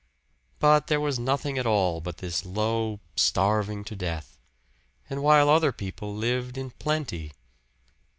But there was nothing at all but this low starving to death and while other people lived in plenty.